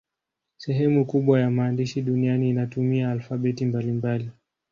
Sehemu kubwa ya maandishi duniani inatumia alfabeti mbalimbali.